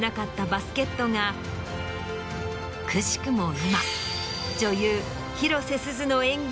くしくも今。